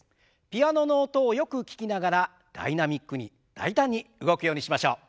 ピアノの音をよく聞きながらダイナミックに大胆に動くようにしましょう。